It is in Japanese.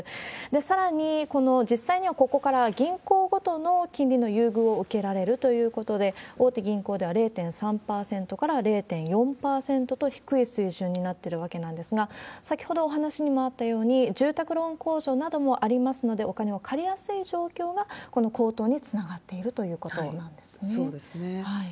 さらに、実際にはここから銀行ごとの金利の優遇を受けられるということで、大手銀行では０．３％から０．４％と低い水準になっているわけなんですが、先ほどお話にもあったように、住宅ローン控除などもありますので、お金を借りやすい状況がこの高騰につながっているということなんそうですね。